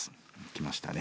来ましたね。